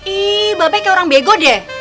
ii babek kayak orang bego deh